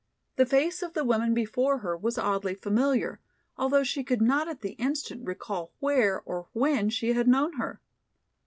The face of the woman before her was oddly familiar, although she could not at the instant recall where or when she had known her.